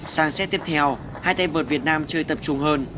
sang xét tiếp theo hai tay vợt việt nam chơi tập trung hơn